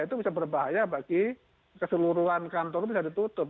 itu bisa berbahaya bagi keseluruhan kantor bisa ditutup